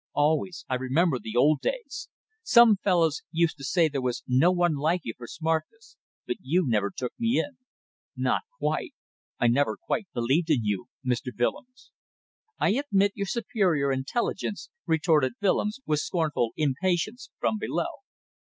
"Always! I remember the old days. Some fellows used to say there was no one like you for smartness but you never took me in. Not quite. I never quite believed in you, Mr. Willems." "I admit your superior intelligence," retorted Willems, with scornful impatience, from below.